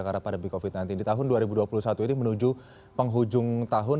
karena pandemi covid sembilan belas di tahun dua ribu dua puluh satu ini menuju penghujung tahun